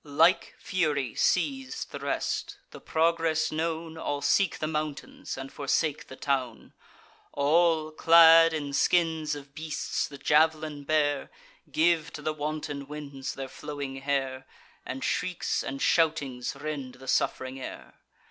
Like fury seiz'd the rest; the progress known, All seek the mountains, and forsake the town: All, clad in skins of beasts, the jav'lin bear, Give to the wanton winds their flowing hair, And shrieks and shoutings rend the suff'ring air.